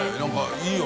いいよ。